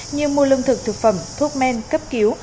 như mua lương thực thực phẩm thuốc men cấp cứu